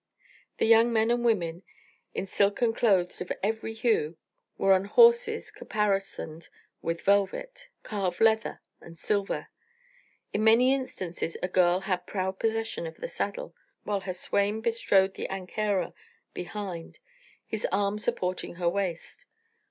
The young men and women, in silken clothes of every hue, were on horses caparisoned with velvet, carved leather, and silver; in many instances a girl had proud possession of the saddle, while her swain bestrode the anquera behind, his arm supporting her waist.